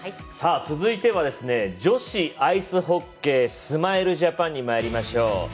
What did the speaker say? さあ続いてはですね、女子アイスホッケースマイルジャパンにまいりましょう。